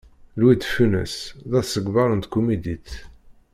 Louis de Funès d asegbar n tkumidit.